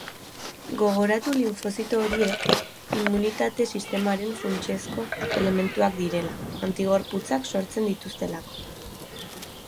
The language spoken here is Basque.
Gogoratu linfozito horiek immunitate-sistemaren funtsezko elementuak direla, antigorputzak sortzen dituztelako.